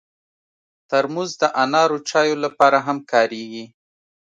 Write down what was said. ترموز د انارو چایو لپاره هم کارېږي.